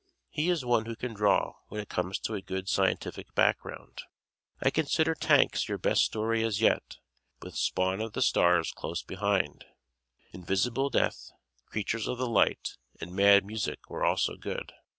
He is one who can draw when it comes to a good scientific background. I consider "Tanks" your best story as yet, with "Spawn of the Stars" close second. "Invisible Death," "Creatures of the Light" and "Mad Music" were also good.